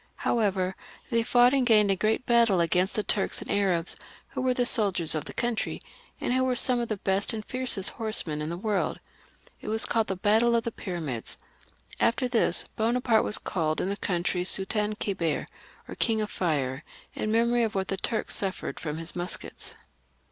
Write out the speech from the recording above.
However, they fought and gained a great battle against the « Turks and Arabs, who were the soldiers of the country, and who were some of the best and fiercest horsemen in the world ; it was called the Battle of the Pyramids. After this battle Bonaparte was called in the country Sultan Kebir, or King of Fire, in memory of what the Turks suffered from his muskets.